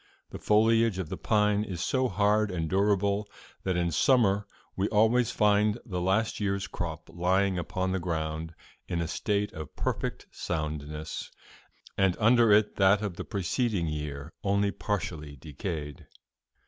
'The foliage of the pine is so hard and durable that in summer we always find the last year's crop lying upon the ground in a state of perfect soundness, and under it that of the preceding year only partially decayed.'"